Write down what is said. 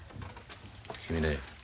君ね